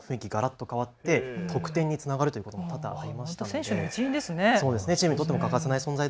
球場の雰囲気もがらっと変わって得点につながるということも多々ありました。